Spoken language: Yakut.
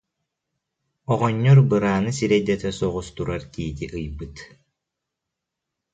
оҕонньор бырааны сирэйдэтэ соҕус турар тиити ыйбыт